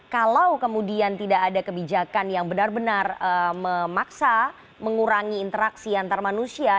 kalau kemudian tidak ada kebijakan yang benar benar memaksa mengurangi interaksi antar manusia